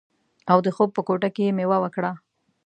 او د خوب په کوټه کې یې میوه وکړه